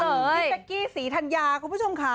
พี่แจ๊กกี้ศรีธัญญาคุณผู้ชมค่ะ